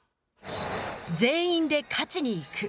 全員で勝ちにいく。